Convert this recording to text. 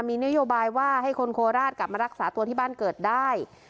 มีนโยบายว่าให้คนโคราชกลับมารักษาตัวที่บ้านเกิดได้